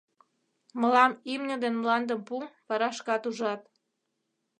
— Мылам имне ден мландым пу — вара шкат ужат.